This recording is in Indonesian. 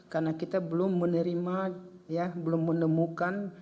karena kita belum menerima ya belum menemukan